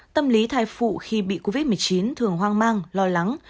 tâm lý thai phụ khi bị covid một mươi chín thường hoang mang lo lắng